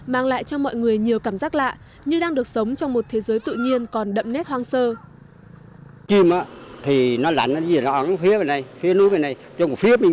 mang lại cho mọi người nhiều cảm giác lạ như đang được sống trong một thế giới tự nhiên còn đậm nét hoang sơ